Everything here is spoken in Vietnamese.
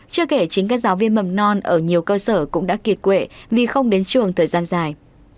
chưa kể chính các giáo viên mầm non ở nhiều cơ sở cũng đã kiệt quệ vì không đến trường thời gian dài